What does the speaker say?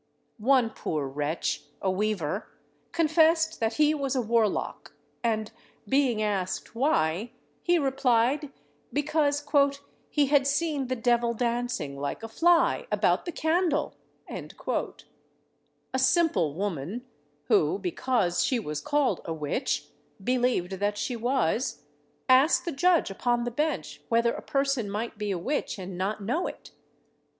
One poor wretch, a weaver, confessed that he was a warlock, and, being asked why, he replied, because "he had seen the devil dancing, like a fly, about the candle!" A simple woman, who, because she was called a witch, believed that she was, asked the judge upon the bench whether a person might be a witch and not know it?